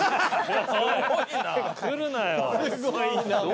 すごいな！